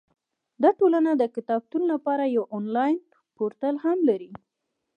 دا ټولنه د کتابتون لپاره یو انلاین پورتل هم لري.